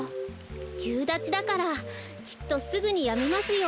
ゆうだちだからきっとすぐにやみますよ。